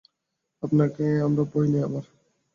আমাকে ভয় নেই তোমার?